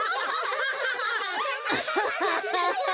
アハハハ。